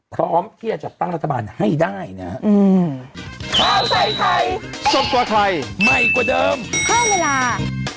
พร้อมที่จะจัดตั้งรัฐบาลให้ได้นะฮะข้าวใส่ไทยสดกว่าไทยใหม่กว่าเดิมเพิ่มเวลา